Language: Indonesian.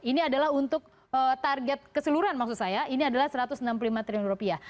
ini adalah untuk target keseluruhan maksud saya ini adalah satu ratus enam puluh lima triliun rupiah